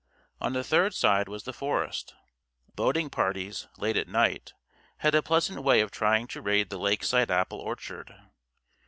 On the third side was the forest. Boating parties, late at night, had a pleasant way of trying to raid the lakeside apple orchard.